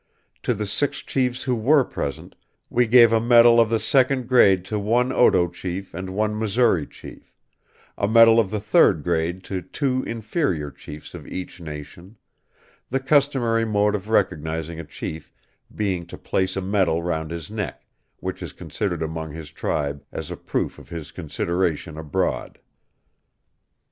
To the six chiefs who were present, we gave a medal of the second grade to one Otoe chief and one Missouri chief; a medal of the third grade to two inferior chiefs of each nation the customary mode of recognizing a chief being to place a medal round his neck, which is considered among his tribe as a proof of his consideration abroad.